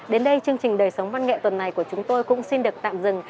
đến đây chương trình đời sống văn nghệ tuần này của chúng tôi cũng xin được tạm dừng